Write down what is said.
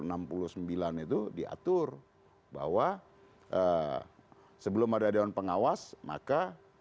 lempul areasiden diatur bahwa sebelum ada dewan pengawas maka